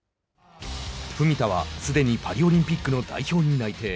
文田はすでにパリオリンピックの代表に内定。